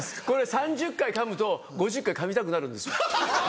３０回かむと５０回かみたくなるんですよ。